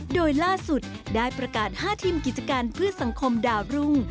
โดยล่าสุดได้ประกาศ๕ทีมกิจการเพื่อสังคมดาวรุ่ง